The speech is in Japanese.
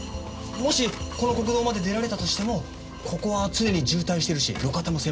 もしこの国道まで出られたとしてもここは常に渋滞してるし路肩も狭い。